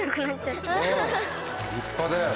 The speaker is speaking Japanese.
立派だよね。